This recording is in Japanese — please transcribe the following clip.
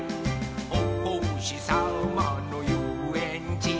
「おほしさまのゆうえんち」